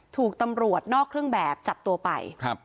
ถูกตำรวจนอกเครื่องแบบจับตัวไปครับ